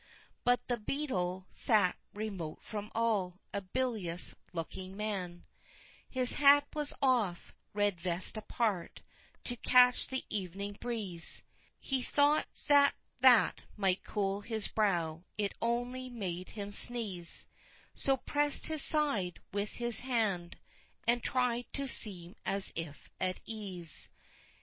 But the Beadle sat remote from all, a bilious looking man His hat was off, red vest apart, to catch the evening breeze: He thought that that might cool his brow; it only made him sneeze, So pressed his side with his hand, and tried to seem as if at ease.